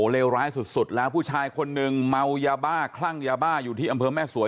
เลวร้ายสุดสุดแล้วผู้ชายคนหนึ่งเมายาบ้าคลั่งยาบ้าอยู่ที่อำเภอแม่สวย